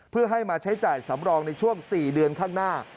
เพื่อให้มาใช้จ่ายสำรองในช่วง๔เดือนข้างหน้า